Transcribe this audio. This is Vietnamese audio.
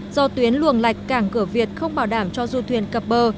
do tuyến luồng lạch cảng cửa việt không bảo đảm cho du thuyền cập bờ